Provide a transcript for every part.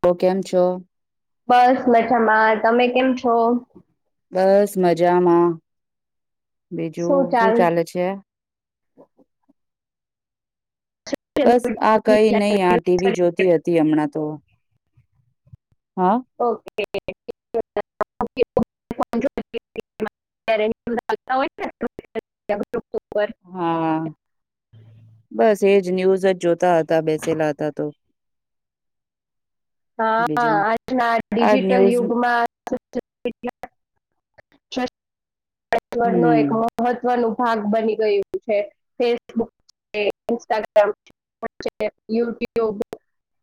તો કેમ છો? બસ મજામાં તમે કેમ છો? બસ મજામાં. બીજું શું ચાલે છે? બસ આ કઈ નહીં આ ટીવી જોતી હતી હમણાં તો. હા. [unintelligible] [unintelligible] હા બસ એજ- ન્યૂઝો જોતા હતા હતા બેસેલા હતા તો હા બીજું આજના આ ડિજિટલ ન્યૂઝ યુગમાં ન એક હમ મહત્વનું ભાગ બની ગયું છે ફેસબુક છે ઇન્સ્ટાગ્રામ પછ યુટ્યુબ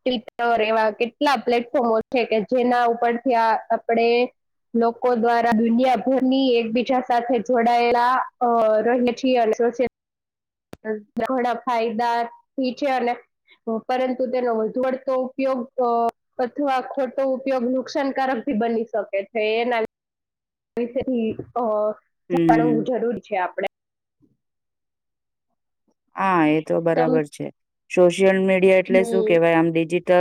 ટ્વિટર એવા કેટલા પ્લેટફોર્મો છે કે જેના ઉપરથી આપડે લોકો દ્વારા દુનિયાભર ની એક બી જ સાથે જોડાયેલા અ રહી છે અને સોસ હોય ઘોણા ફાયદા થી છે અને પરંતુ તેનો વધુ વડતો ઉપયોગ અ અથવા ખોટો ઉપયોગ નુકસાનકારક બની શકે છે એના વિશેથી અ હમ જાણવું જરૂરી છે આપડે હા એ તો તમ બરાબર છે સોશિયલ મીડિયા એટલે શું હમ કેવાય આમ ડિજિ તો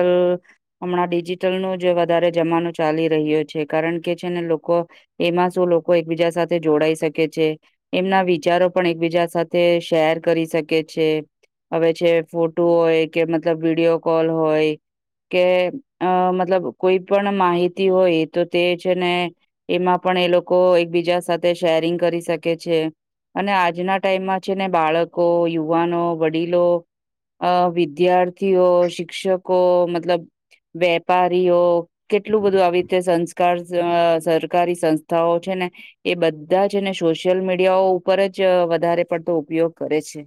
હમણાં ડિજિટલ નું જ વધારે જમાનો ચાલી રહ્યો છે કારણ કે છેને લોકો એમાં શું લોકો એકબીજા સાથે જોડાય શકે છે એમના વિચારો પણ એકબીજા સાથે શેર કરી શકે છે હવે છે ફોટો હોય કે મતલબ વિડીયો કોલ હોય કે અ મતલબ કોઈ પણ માહિતી હોય તો તે છે ને એમાં પ પણ એ લોકો એકબીજા સાથે શેરિંગ કરી શકે છે અને આજના ટાઈમમાં છે ને બાળકો, યુવાનો, વડીલો અ વિદ્યાર્થીઓ, શિક્ષકો, મતલબ વેપારીઓ કેટલું બધું આવી રીતે સંસ્કાર સરકારી સંસ્થાઓ છે ને એ બધા જ ને સોશિયલ મીડિયાઓ ઉપર જ વધારે પડતો ઉપયોગ કરે છે.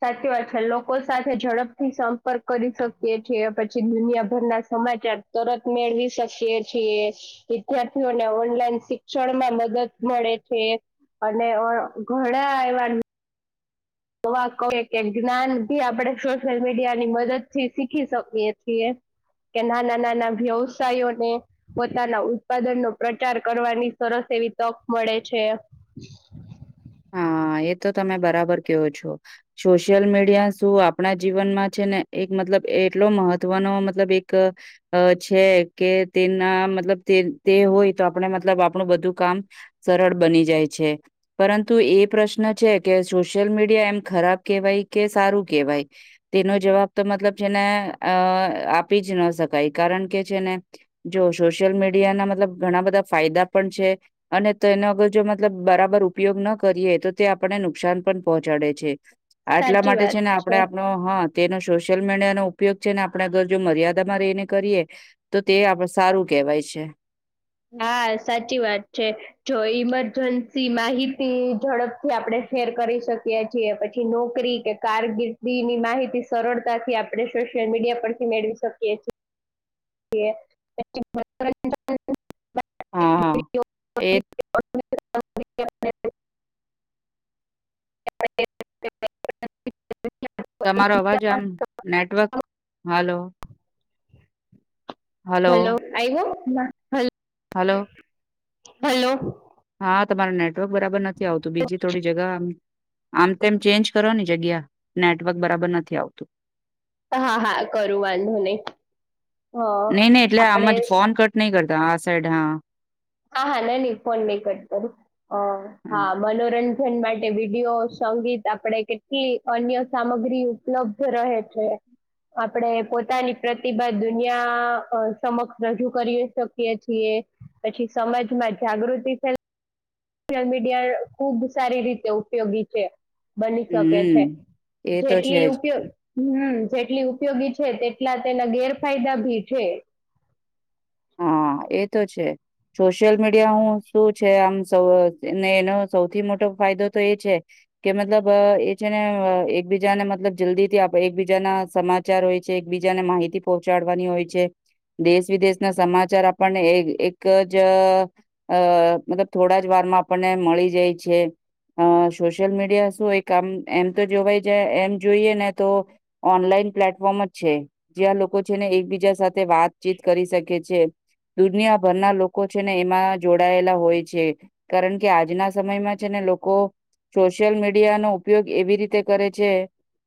સાચી વાત છે લોકો સાથે ઝડપથી સંપર્ક કરી શકીએછે પછી દુનિયાભરના સમાચાર તરત મેળવી શકીએ છીએ વિદ્યાર્થીઓને ઓનલાઈન શિક્ષણમાં મ દદ મડે છે અને ઘણા એવા તોવા ક કે જ્ઞાની આપડે સોશિયલ મીડિયા ની મદદ થી શીખી શકીએ છીએ કે નાના નાના વ્યવસાયોને પોતાના ઉત્પાદનનો પ્રચાર કરવાની સરસ તેવી તક મળે છે હા એ તો તમે બરાબર કેહો છો સોશિયલ મીડિયા શું આપણા જીવનમાં છે ને એક મતલબ એટલો મહત્વનો મતલબ એક છે કે તેના મતલબ તે તે હોય તો આપણા મતલબ આપણું બધું કામ સરળ બની જાય છે પરંતુ એ પ્રશ્ન છે કે સોશિયલ મીડિયા એમ ખરાબ કેવાય કે સારું કેવાય તેનો જવાબ ત મતલબ જે ને અ આપી જ ન શકાય કારણ કે છેને જો સોશિયલ મીડિયા મતલબ ઘણા બધા ફાયદા પણ છે અને તો એનો અગર જો મતલબ બરાબર ઉપયોગ ન કરીએ તો તે આપને નુકસાન પણ પહોંચાડે છે આટલા સાચી માટે વાત છે ને આપણે આપણો હા તેનો સોશિયલ મીડિયા નો ઉપયોગ છે ને આપણે અગર જો મર્યાદામાં રહીને કરીએ તો તે આપ સારું કેહેવાય છે હા સાચી વાત છે જો ઈમરજન્સી માહિતી ઝડપથી આપડે શેર કરી શકીએ છીએ પછી નોકરી કે કારકિર્દી ની માહિતી સરળતાથી આપડે શું સોશિયલ મીડિયા પરથી મેળવી શકીએ છે છીએ [unintelligible] માટે હા હા એ [unintelligible] [unintelligible] તમારો અવાજ આમ નેટવર્ક હાલો હલો આય્વો ના હઈ હલો હલો હા તમાર નેટવર્ક બરાબર નથી આવતું બીજી થોડી જગા આમ આમ તોમ ચેન્જ કરો ની જગ્યા નેટવર્ક બરાબર નથી આવતું હા હા કરું વાંધો નહી નહી નહી એટલે આમ જ ફોન કટ નહી કરતા આ સાઈડ હા હા હા ના ન પને કટર હા મનોરં જન માટે વિડીયો સંગીત આપડ કેટલી અન્ય સામગ્રી ઉપલબ્ધ રહે છે આપણે પોતાની પ્રતિભા દુનિયા સમક્ષ રજૂ કરી શકીએ છીએ પછી સમાજમાં જાગૃતિ છેને સોશયલ મીડિયા ખુબ સારી રીતે ઉપયોગી છે બની શકે છે હમ્મ. એ તો જેટલી છે જ. ઉપયો હમ્મ જેટલી ઉપયોગી છે તે એટલા તેના ગેરફાયદા ભી છે હા એ તો છે સોશિયલ મીડિયા હું શું છે આમ એનો સૌથી મોટો ફાયદો તો એ છે કે મતલબ એ છે ને એકબીજાને મતલબ જલ્દી થી એકબીજાના સમાચાર હોય છે એકબીજાને માહિતી પહોંચાડવાની હોય છે દેશ વિદેશ ના સમાચાર આપ ણે એક જ અ મતલબ થોડા જ વાર માં આપણને મળી જાય છે અ સોશિયલ મીડિયા શું એક આમ એમ તો જોવાઈ જાય એમ જોઈએ ને તો ઓનલાઈન પ્લેટફોર્મ જ છે જ્યાં લોકો છે ને એકબીજા સાથે વાતચીત કરી શકે છીએ દુનિયાભરના લોકો છે ને એમાં જોડાયેલા હોય છે કારણ કે આજના સમયમાં લોકો સોશિયલ મીડિયા નો ઉપયોગ એવી રીતે કરે છે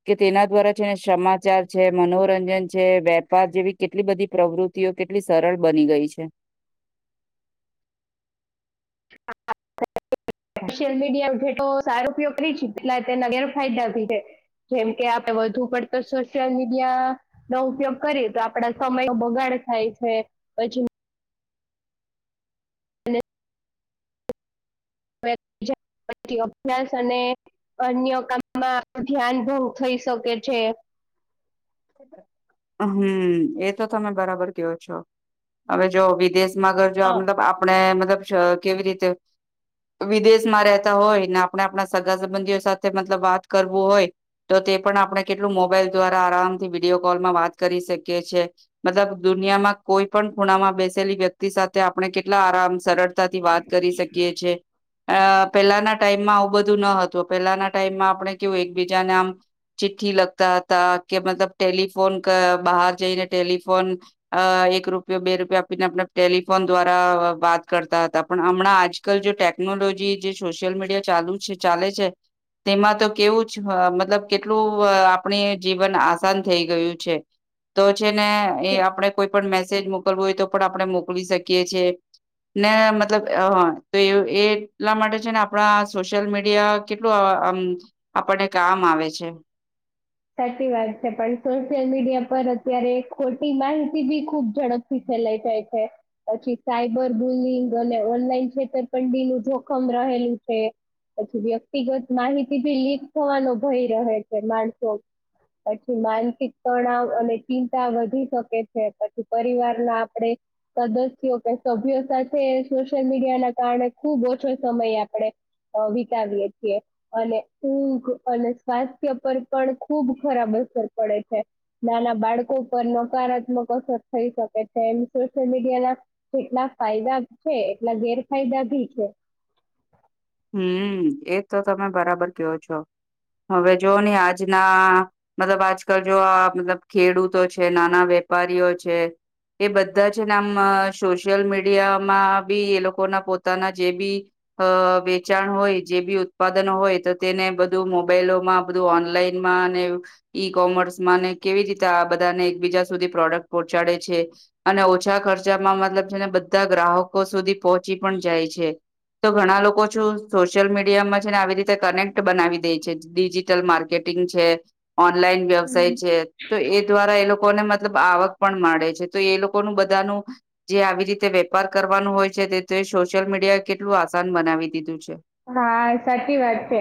કે તેના દ્વારા છે ને સમાચાર છે મનોરંજન છે વેપાર જેવી કેટલી બધી પ્રવૃત્તિઓ કેટ સર બની ગઈ છે [unintelligible] સોશિયલ મીડિયા જેઠો સારો ઉપયોગ કરી પટલા તેના ગેરફાયદા ભી છે જેમ કે આપડે વધુ પડતો સોશિયલ મીડિયા નો ઉપયોગ કરીએ તો આપડા સમય બગાડે થાય છે પછી [inaudible] પછી અભ્યાસ અને અન્ય કામમાં ધ્યાન બહ થઈ શકે છે. [inaudible] હમ્મ એ તો તમે બરાબર કયો છો હવે જો વિદેશ માં અગર જો મતલબ આપણે મતલબ કેવી રીતે વિદેશમાં રહેતા હોય ને આપણે આપણા સગા સંબંધીઓ સાથે મતલબ વાત કરવું હોય તો તે પણ આપણે કેટલું મોબાઈલ દ્વારા આરામ થી વિડીયો કોલમાં વાત કરી શકી છી મતલબ દુનિયામાં કોઈ પણ ખૂણામાં બેસેલી વ્યક્તિ સાથે આપણે કેટલા આરામ સરળતાથી વાત કરી શકીએ છેએ અ પેલાના ટાઈમમાં આવું બધું ન હતું પેલાના ટાઈમમાં આપણે કેવું એકબીજાને આમ ચિ ઠ્ઠી લખતા હતા કે મતલબ ટેલિફોન બહાર જઈને ટેલિફોન અ એક રૂપિયો બે રૂપયો આપીને આપણે ટેલિફોન દ્વારા વાત કરતા હતા પણ હમણાં આજકાલ જે ટેકનોલોજી જે સોશિયલ મીડિયા ચાલુ છે ચાલે છે તેમાં તો કેવું મતલબ કેટલું આપણે જીવન આસાન થઈ ગયું છે તો છે ને એ આપડે કોઈ પણ મે સેજ મોકલવું હોય તો પણ આપણે મોકલી શકીએ છીએ ને મતલબ તો એ એટલા માટે છે ને આપણા સોશિયલ મીડિયા કેટલું આમ આપણને કામ આવે છે [inaudible] સાચી વાત છે પણ સોશિયલ મીડિયા પર અત્યારે ખોટી માહિતી બી ખુબ ઝડપથી ફેલાઈ જાય છે પછી સાયબર બુલિંગ અને ઓનલાઈન છેતરપંડી નું જોખમ ર હેલુ છે પછી વ્યક્તિગત માહિતીથી લીક થવાનો ભય રહે છે માણસો [inaudible] પછી માનસિક તણાવ અને ચિંતા વધી શકે છે પછી પરિવાર ના આપણેે સદસ્યો કે સભ્યો સાથે સોશિયલ મીડિયા ના કારણે ખુબ ઓછો સમય આપડે અ વિતાવીએ છીએ અને ઊંઘ અને સ્વાસ્થ્ય પર પણ ખુબ ખરાબ અસર પડે છે નાના બાળકો પર નકારાત્મક અસર થઈ શકે છે. સોશિયલ મીડિયા ના જેટલા ફાયદા છે એટલા ગેરફાયદા ભી છે. [inaudible] હમ્મ એજ તો તમે બરાબર કયો છો. હવે જો ને આજના મતલબ આજકાલ જો આ મતલબ ખેડૂતો છે નાના વેપારીઓ છે એ બધા છે ને આમ સોશિયલ મીડિયામાં બી એ લોકોના પોતાના જે બી હ વે ચાણ હોય જે બી ઉત્પાદનો હોય તો તેને બધું મોબાઈલોમાં બધું ઓનલાઈનમાં અને ઈ કોમર્સમાંને કેવી રીતે આ બધાને એકબીજા સુધી પ્રોડક્ટ પહોંચાડે છે અને ઓછા ખર્ચામાં મતલબ છેને બધા ગ્રાહકો સુધી પહોંચી પણ જાય છે તો ઘણા લોકો સોશિયલ મીડિયામાં છે ને આવી રીતે કનેક્ટ બનાવી દે છે ડિજિટલ માર્કેટિંગ છે ઓનલાઈન હમ વ્યવસાય છે તો એ દ્વારા એ લોકોને મત લબ આવક પણ માડે છે તો એ લોકોનું બધાનું જે આવી રીતે વેપાર કરવાનું હોય છે તે સોશિયલ મીડિયા એ કેલું આસાન બનાવી દીધું છે હા સાચી વાત છે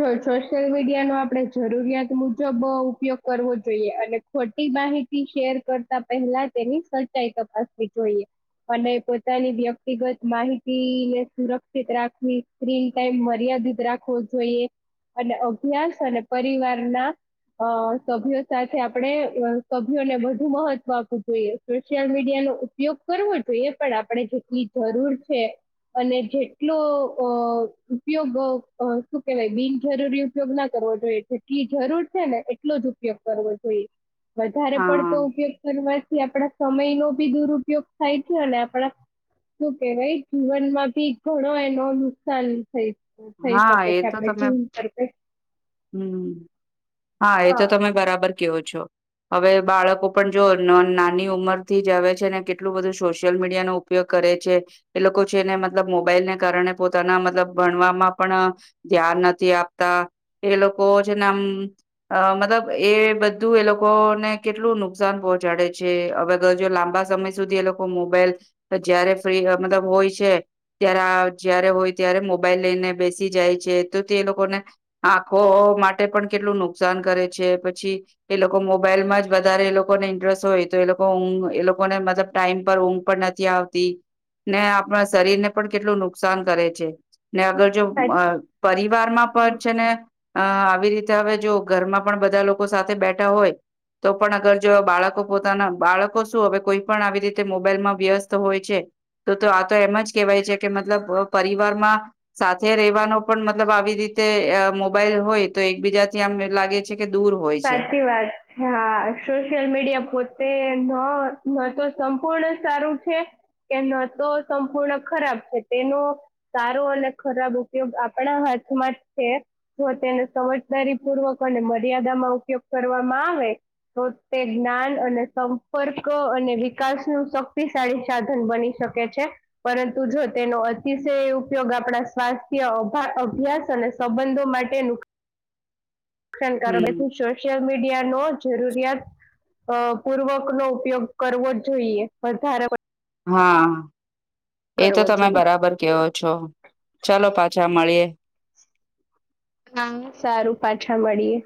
જો સોશિયલ મીડિયાનો આપણે જરૂરિયાત મુજબ ઉપયોગ કરવો જોઈએ અને ખોટી માહિતી શેર કરતા પહેલા તેની સચાઈ તપાસવી જોઈએ. અને પોતાની વ્યક્તિગત માહિતી ને સુરક્ષિત રાખવી સ્ક્રીન ટાઈમ મર્યાદિત રાખવો જોઈએ અને અભ્યાસ અને પરિવારના અ સભ્યો સાથે આપણે સભ્યોને વધુ મહત્વ આપવું જોઈએ સોશિયલ મીડિયા ઉપયોગ કરવો જોઈએ પણ આપણેે જેટલી જરૂર છે અને જેટલો અ ઉપયોગ શું કેવાય બિનજરૂરી ઉપયોગ ના કરવો જોઈએ જેટલી જરૂર છે ને એટલો જ ઉપયોગ કરવો જોઈએ વધારે પડતો હા ઉપયોગ કરવા થી આપડા સમય નો બી દુરુપયોગ થાય છે ને આપણા શું કેવાય જીવન માં ભી ઘણો એનો નુકસાન થઈ થઈ શકે છે આપડે [unintelligible] હમ્મ હા એ તો તમે બરાબર કેવો છો. હવે બાળકો પણ જો નો નાની ઉંમર થી જ આવે છે ને કેટલું બધું સોશિયલ મીડિયાનોો ઉપયોગ કર કરે છે એ લોકો છેને મતલબ મોબાઈલને કારણે પોતાના મતલબ ભણવામાં પણ ધ્યાન નથી આપતા એ લોકો છેને આમ અ મતલબ એ એ બધું એ લોકોને કેટલું નુકસાન પહોંચાડે છે હવે જો લાંબા સમય સુધી એ લોકો મો બાઈલ જયારે ફ્રી મતલબ હોય છે ત્યારે જયારે હોય ત્યારે મોબાઈલ લઈને બેસી જાય છે તો તે લોકોને આંખો માટે પણ કેટલું નુકસાન કરે છે પછી એ લોકો મોબાઈલમાં જ વધારે એ લોકોને ઇન્ટરેસ્ટ હોય તો એ લોકો ઊંઘ એ લોકોને મતલબ ટાઈમ પર ઊંઘ પણ નથી આવતી ને આપણા શરીરને પણ કેટલું નુકસાન કરે છે ને અગર જો સાચું અ પરિવારમાં પણ છે ને અ આવી રીતે હવે જો ઘરમાં પણ બધા લોકો સાથે બેઠા હોય તો પણ અગર જો બાળકો પોતાના બાળકો શું હવે કોઈ પણ આવી રીતે મોબાઈલમાં વ્યસ્ત હોય છે તો તો આ તો એમ જ કેહેવાય છે કે મતલબ પરિવારમાં સાથે રેવાનો પણ મતલબ આવી રીતે મોબાઈલ હોય તો એકબીજા થી આમ લાગે છે કે દૂર હોય છે. સાચી વાત છે હા સોશિયલ મીડિયા પોતે ન ન તો સંપૂર્ણ સારું છે કે ન તો સંપૂર્ણ ખરાબ છે. તેનો સારો અને ખરાબ ઉપયોગ આપણા હાથમાં છે જો તેનો સમયસર દારી પૂર્વક અને મર્યાદામાં ઉપયોગ કરવામાં આવે તો તે જ્ઞાન અને સંપર્ક અને વિકાસ નું શક્તિશાળી સાધન બની શ શકે છે પરંતુ જો તેનો અતિશય ઉપયોગ આપણા સ્વાસ્થ્ય અભ્યાસ અને અને સંબંધો માટે નુક્ હમ. શકારોથી સોશિયલ મીડિયા નો જરૂરિયાત અ પૂર્વક નો ઉપયોગ કરવો જ જોઈએ વધારે [inaudible] હા પડતો એ તો કરવો તમે જોઈએ. બરાબર કેવો છો ચાલો પાછા પાચછા મળીએ. હા સારું પાછા મળીએ.